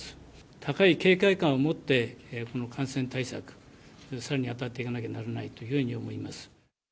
高い警戒感を持って、この感染対策、さらに当たっていかなきゃならないというふうに思います。